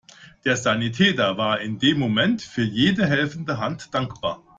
Der Sanitäter war in dem Moment für jede helfende Hand dankbar.